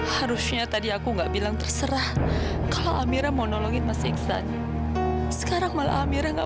harusnya tadi aku enggak bilang terserah kalau amira mau nolongin masih sekarang malah amira enggak